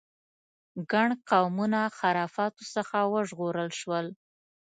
ګڼ قومونه خرافاتو څخه وژغورل شول.